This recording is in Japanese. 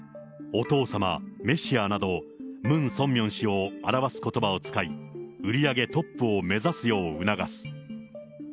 お父様、メシアなど、ムン・ソンミョン氏を表すことばを使い、売り上げトップを目指すよう促す。